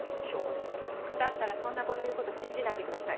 だったらそんな子の言う事信じないでください。